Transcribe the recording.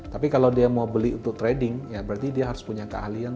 tapi kalau dia mau beli untuk trading ya berarti dia harus punya keahlian